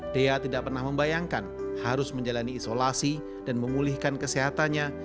dea tidak pernah membayangkan harus menjalani isolasi dan memulihkan kesehatannya